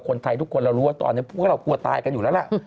คนไทยทุกคนเรารู้ว่าตอนนี้พวกเรากลัวตายกันอยู่แล้วล่ะ